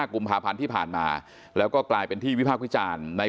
กุมภาพันธ์ที่ผ่านมาแล้วก็กลายเป็นที่วิพากษ์วิจารณ์ใน